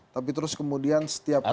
tapi terus kemudian setiap hari